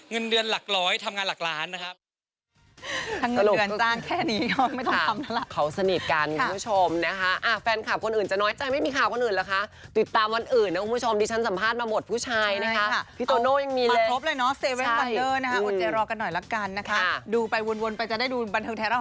เงินเดือนหลักร้อยทำงานหลักล้านนะครับ